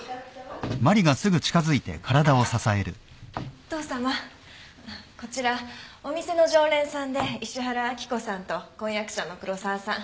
お父さまこちらお店の常連さんで石原明子さんと婚約者の黒沢さん。